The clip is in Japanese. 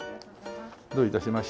どういたしまして。